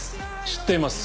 知っています。